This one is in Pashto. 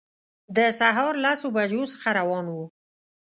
د سهار لسو بجو څخه روان وو.